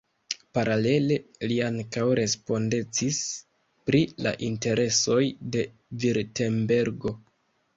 Paralele li ankaŭ respondecis pri la interesoj de Virtembergo.